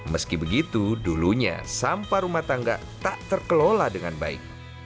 meski begitu dulunya sampah rumah tangga tak terkelola dengan baik